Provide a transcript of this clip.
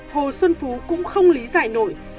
hồ xuân phú cũng không lý giải nổi